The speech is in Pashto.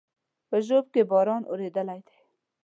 په ژوب کې باران اورېدلى دی